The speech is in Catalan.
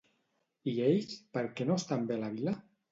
I ells, per què no estan bé a la vila?